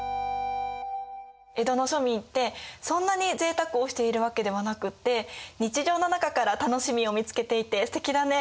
江戸の庶民ってそんなにぜいたくをしているわけではなくって日常の中から楽しみを見つけていてすてきだね。